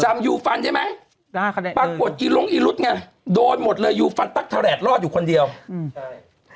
จำยูฟันใช่ไหมได้ปรากฏโดนหมดเลยยูฟันตักแถลดรอดอยู่คนเดียวอืมใช่